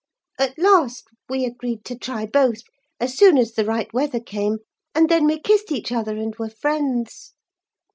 At last, we agreed to try both, as soon as the right weather came; and then we kissed each other and were friends.